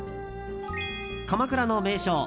鎌倉の名所